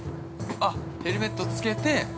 ◆あ、ヘルメットつけて。